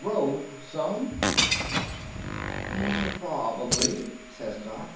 She '11 grow— some?" "Probably," says Doc.